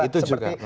nah itu juga